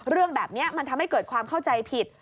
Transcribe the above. เรื่องแบบนี้มันทำให้เกิดความเข้าใจผิด